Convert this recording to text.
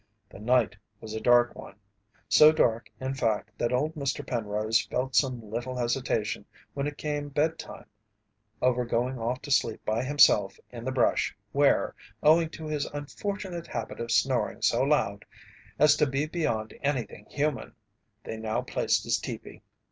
The night was a dark one, so dark in fact that old Mr. Penrose felt some little hesitation when it came bed time over going off to sleep by himself in the brush where, owing to his unfortunate habit of snoring so loud as to be beyond anything human, they now placed his teepee.